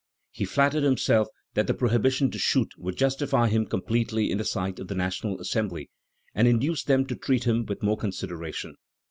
He flattered himself that the prohibition to shoot would justify him completely in the sight of the National Assembly, and induce them to treat him with more consideration.